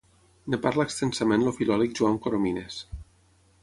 En parla extensament el filòleg Joan Coromines.